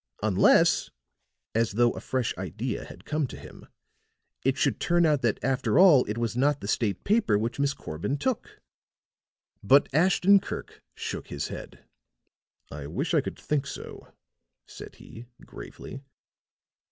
Unless," as though a fresh idea had come to him, "it should turn out that, after all, it was not the state paper which Miss Corbin took." But Ashton Kirk shook his head. "I wish I could think so," said he, gravely.